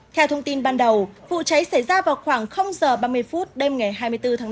theo thông tin ban đầu vụ cháy xảy ra vào khoảng h ba mươi phút đêm ngày hai mươi bốn tháng năm